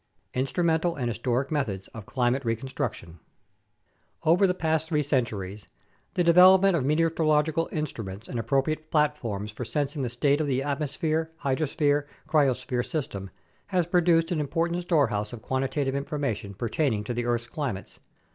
Instrumental and Historical Methods of Climate Reconstruction Over the past three centuries, the development of meteorological instruments and appropriate "platforms" for sensing the state of the atmosphere hydrosphere cryosphere system has produced an important storehouse of quantitative information pertaining to the earth's climates.